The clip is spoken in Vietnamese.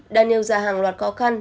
đã nêu ra hàng loạt khó khăn